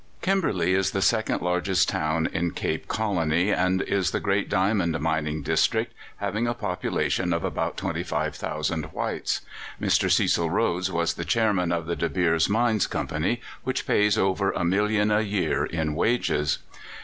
Kimberley is the second largest town in Cape Colony, and is the great diamond mining district, having a population of about 25,000 whites. Mr. Cecil Rhodes was the Chairman of the De Beers Mines Company, which pays over a million a year in wages.